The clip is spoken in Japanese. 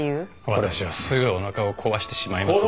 私はすぐおなかを壊してしまいますので。